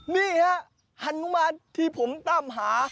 นี่ฮะฮานุมานที่ผมตามหา